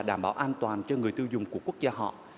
đảm bảo an toàn cho người tiêu dùng của quốc gia họ